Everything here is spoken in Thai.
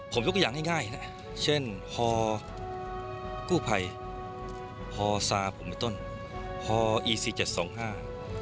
ผมยกอย่างง่ายเช่นฮกู้ไผ่ฮซาผมเป็นต้นฮอีสิเจ็ดสองห้า